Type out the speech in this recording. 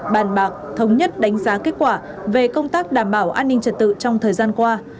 bàn bạc thống nhất đánh giá kết quả về công tác đảm bảo an ninh trật tự trong thời gian qua